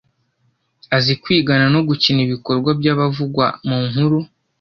–azi kwigana no gukina ibikorwa bw’abavugwa mu nkuru;